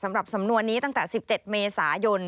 สำหรับสำนวนนี้ตั้งแต่๑๗เมษายน